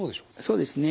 そうですね。